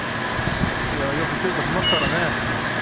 いやあよく稽古しますからね。